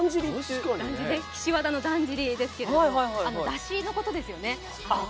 岸和田のだんじりですけれども、だしのことですよね。